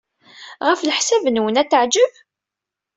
Ɣef leḥsab-nwen, ad t-teɛjeb?